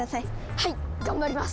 はい頑張ります！